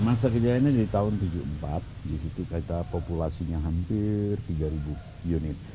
masa kejayaannya di tahun seribu sembilan ratus tujuh puluh empat di situ kata populasinya hampir tiga ribu unit